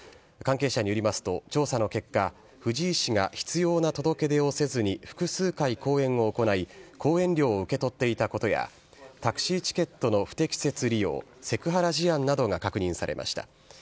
関係者によりますと、調査の結果、藤井氏が必要な届け出をせずに複数回講演を行い、講演料を受け取っていたことや、タクシーチケットの不適切利用、セクハラ事案などが確認されました。